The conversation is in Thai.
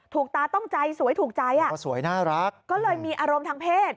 ตาต้องใจสวยถูกใจอ่ะก็สวยน่ารักก็เลยมีอารมณ์ทางเพศ